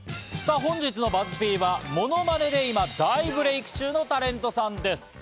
本日のＢＵＺＺ−Ｐは、ものまねで今大ブレイク中のタレントさんです。